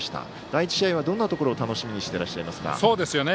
第１試合はどんなところを楽しみにしてらっしゃいますか？